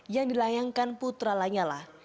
yang dilayangkan putra lanyala